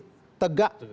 ada yang posisi tegak